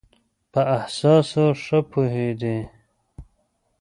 په احساساتو ښه پوهېدی.